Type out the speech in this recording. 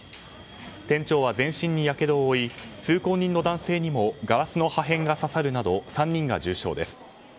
店長は全身にやけどを負い通行人の男性にもガラスの破片が刺さるなど３人が重傷です。